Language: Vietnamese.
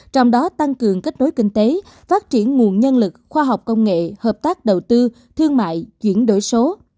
trong đó tăng cường kết nối kinh tế phát triển nguồn nhân lực khoa học công nghệ hợp tác đầu tư thương mại chuyển đổi số